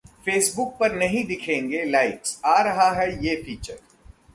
Facebook पर नहीं दिखेंगे लाइक्स, आ रहा है ये फीचर